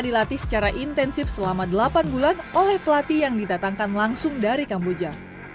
dilatih secara intensif selama delapan bulan oleh pelatih yang didatangkan langsung dari kamboja